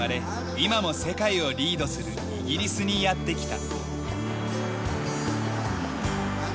今も世界をリードするイギリスにやって来た。